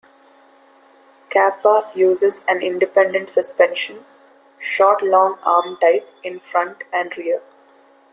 Kappa uses an independent suspension, short-long arm type, in front and rear.